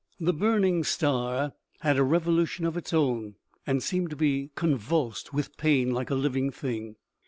The burning star had a revolution of its own, and seemed to be convulsed with pain, like a living thing.